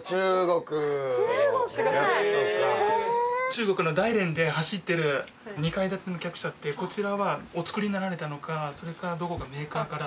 中国の大連で走ってる２階建ての客車ってこちらはお作りになられたのかそれかどこかメーカーから？